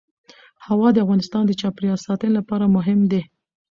هوا د افغانستان د چاپیریال ساتنې لپاره مهم دي.